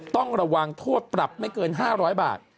ต้องระวังโทษปรับไม่เกิน๕๐๐บาท